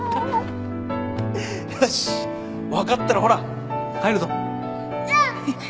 よし分かったらほら帰るぞ。